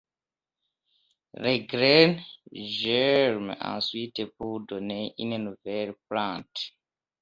Les graines germent ensuite pour donner une nouvelle plante.